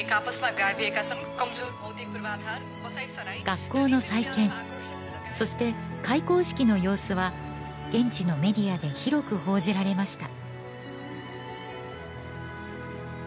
学校の再建そして開校式の様子は現地のメディアで広く報じられました